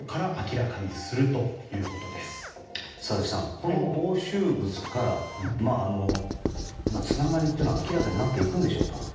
この押収物からつながりは、明らかになっていくんでしょうか？